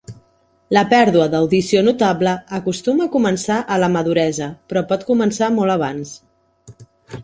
La pèrdua d'audició notable acostuma a començar a la maduresa, però pot començar molt abans.